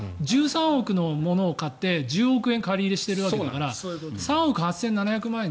１３億のものを買って１０億借り入れているわけだから３億８７００万円